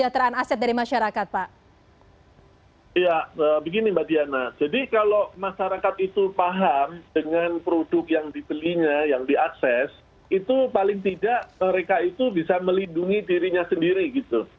jadi kalau masyarakat itu paham dengan produk yang dibelinya yang diakses itu paling tidak mereka itu bisa melindungi dirinya sendiri gitu